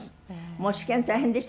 もう試験大変でした。